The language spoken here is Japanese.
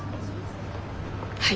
はい。